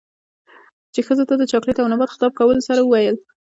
،چـې ښـځـو تـه د چـاکـليـت او نـبات خـطاب کـولـو سـره وويل.